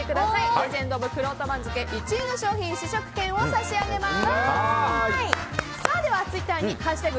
レジェンド・オブ・くろうと番付１位の商品試食券を差し上げます。